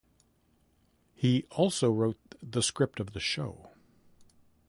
He also wrote the script of the show.